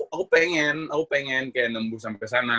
aku pengen aku pengen kayak nunggu sampe sana